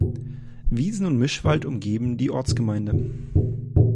Wiesen und Mischwald umgeben die Ortsgemeinde.